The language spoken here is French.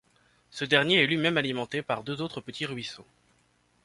Ce dernier est lui-même alimenté par deux autres petits ruisseaux.